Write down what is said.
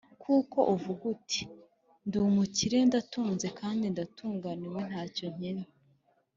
Kuko uvuga uti “Ndi umukire, ndatunze kandi ndatunganiwe nta cyo nkennye”,